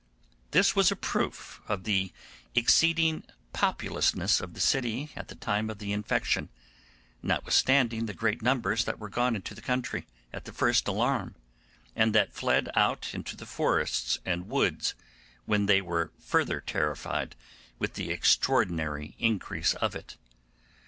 This was a proof of the exceeding populousness of the city at the time of the infection, notwithstanding the great numbers that were gone into the country at the first alarm, and that fled out into the forests and woods when they were further terrified with the extraordinary increase of it.